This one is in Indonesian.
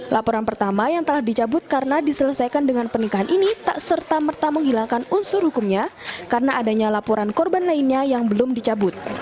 laporan pertama yang telah dicabut karena diselesaikan dengan pernikahan ini tak serta merta menghilangkan unsur hukumnya karena adanya laporan korban lainnya yang belum dicabut